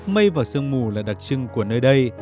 mây và sương mù là đặc trưng của nơi đây